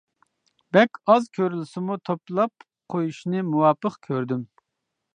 بەك ئاز كۆرۈلسىمۇ توپلاپ قويۇشنى مۇۋاپىق كۆردۈم.